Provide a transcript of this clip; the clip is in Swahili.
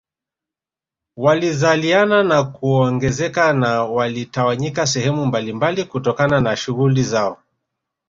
Walizaliana na kuongezeka na walitawanyika sehemu mbalimbali kutokana na shughuli zao